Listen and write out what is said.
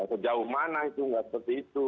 sejauh mana itu nggak seperti itu